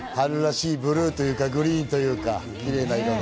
春らしいブルーというか、グリーンというか、キレイな色で。